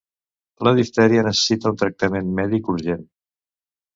La diftèria necessita un tractament mèdic urgent.